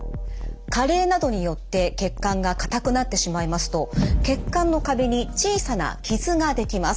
加齢などによって血管が硬くなってしまいますと血管の壁に小さな傷ができます。